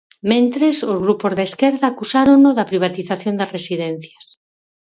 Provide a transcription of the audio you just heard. Mentres, os grupos da esquerda acusárono da privatización das residencias.